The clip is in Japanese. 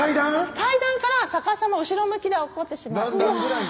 階段から逆さま後ろ向きで落っこってしまって何段ぐらいの？